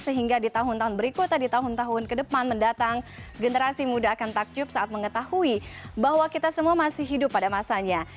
sehingga di tahun tahun berikutnya di tahun tahun ke depan mendatang generasi muda akan takjub saat mengetahui bahwa kita semua masih hidup pada masanya